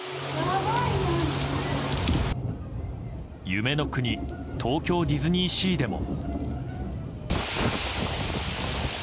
夢の国東京ディズニーシーでも。